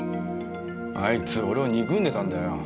あいつ俺を憎んでたんだよ。